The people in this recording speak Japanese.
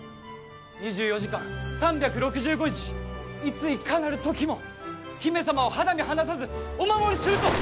２４時間３６５日いついかなる時も姫様を肌身離さずお守りすると！